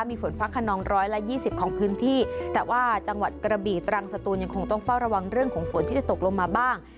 มีฝนฟ้าขนองร้อยละยี่สิบของพื้นที่แต่ว่าจังหวัดกระบีตรังสตูนยังคงต้องเฝ้าระวังเรื่องของฝนที่จะตกลงมาบ้าง